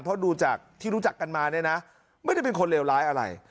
เพราะดูจากที่รู้จักกันมาเนี่ยนะไม่ได้เป็นคนเลวร้ายอะไร